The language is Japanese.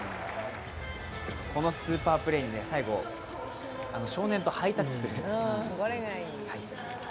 このスーパープレーに最後、少年とハイタッチするんです。